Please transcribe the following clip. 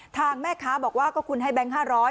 ทางแม่ค้าบอกว่าก็คุณให้แบงค์๕๐๐